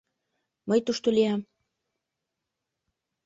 — Мый тушто лиям.